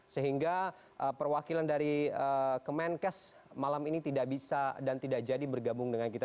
sehingga perwakilan dari kemenkes malam ini tidak bisa dan tidak jadi bergabung dengan kita